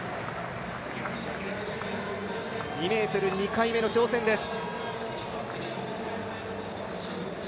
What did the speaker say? ２ｍ、２回目の挑戦です。